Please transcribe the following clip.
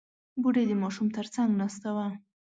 بوډۍ د ماشوم تر څنګ ناسته وه.